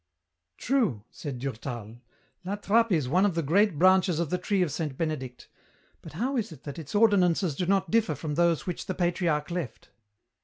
"True," said Durtal, "La Trappe is one of the great branches of the tree of Saint Benedict, but how is it that its ordinances do not differ from those which the Patriarch left